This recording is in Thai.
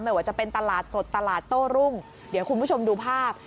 ว่าจะเป็นตลาดสดตลาดโต้รุ่งเดี๋ยวคุณผู้ชมดูภาพ